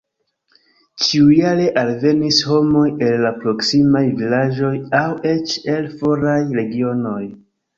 Ĉiujare alvenis homoj el la proksimaj vilaĝoj aŭ eĉ el foraj regionoj.